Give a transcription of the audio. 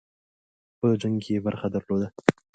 په جنګ کې یې برخه درلوده.